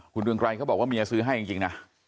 คุณเรืองไกรเขาบอกว่าเมียซื้อให้จริงนะ